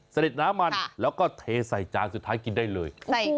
เสด็จน้ำมันแล้วก็เทใส่จานสุดท้ายกินได้เลย